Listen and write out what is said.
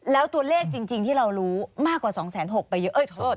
แล้วตัวเลขจริงที่เรารู้มากกว่า๒๖๐๐ไปเยอะโทษ